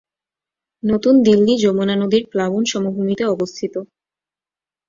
নতুন দিল্লি যমুনা নদীর প্লাবন সমভূমিতে অবস্থিত।